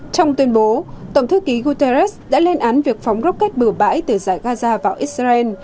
trong tuyên bố tổng thư ký guterres đã lên án việc phóng rocket bừa bãi từ giải gaza vào israel